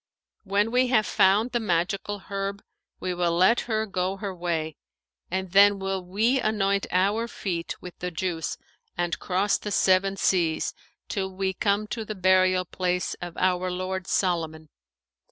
When we have found the magical herb, we will let her go her way; and then will we anoint our feet with the juice and cross the Seven Seas, till we come to the burial place of our lord Solomon.